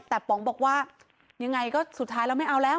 แต่ป๋องบอกว่ายังไงก็สุดท้ายแล้วไม่เอาแล้ว